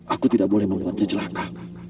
aku tidak boleh membuatnya celaka